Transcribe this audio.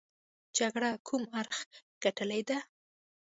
جګړه کوم اړخ ګټلې ده.